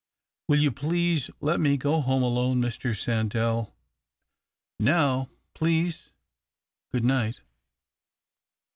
Will you please let me go home alone, Mr. Sandell ? Now, please, o;ood nio; ht."